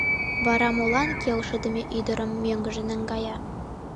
Вара молан келшыдыме ӱдырым мӧҥгыжӧ наҥгая?